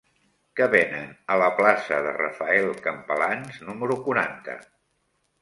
Què venen a la plaça de Rafael Campalans número quaranta?